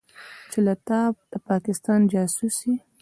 چې ته د پاکستان جاسوس يې.